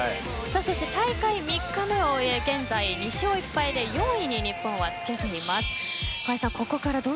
大会３日目を終え現在２勝１敗で４位に日本はつけています。